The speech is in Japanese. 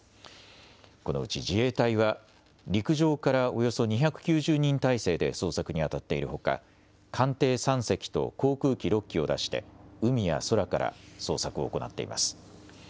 このうち自衛隊は、陸上からおよそ２９０人態勢で捜索に当たっているほか、艦艇３隻と航空機６機を出して、海や空から捜索を行っています。